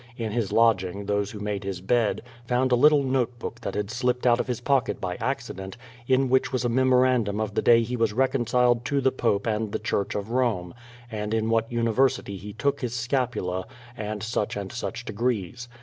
In his lodging, those who made his bed, found a little note book that had slipt out of his pocket by accident, in which was a memorandum of the day he was reconciled to the pope and the church of Rome, and in what university he took his scapula, and such and such degrees.